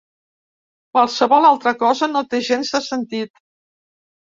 Qualsevol altra cosa no té gens de sentit.